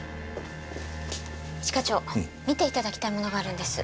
一課長見て頂きたいものがあるんです。